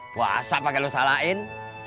puasa pake lo salahin